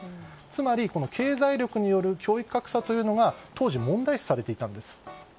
つまり、経済力による教育格差というのが当時、問題視されていたんです。